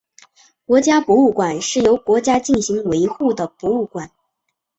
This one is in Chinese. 国家博物馆是由国家进行维护的博物馆。